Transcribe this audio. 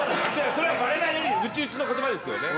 それはバレないように内々の言葉ですよね。